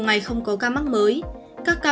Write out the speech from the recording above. ngày không có ca mắc mới các ca